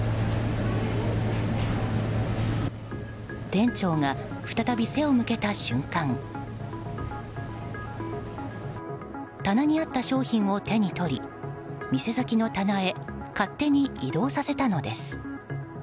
店長が再び背を向けた瞬間棚にあった商品を手に取り店先の棚へ勝手に移動させたのです。